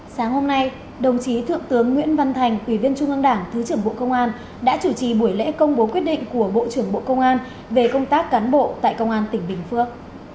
sáng hôm nay đồng chí thượng tướng nguyễn văn thành ủy viên trung ương đảng thứ trưởng bộ công an đã chủ trì buổi lễ công bố quyết định của bộ trưởng bộ công an về công tác cán bộ tại công an tỉnh bình phước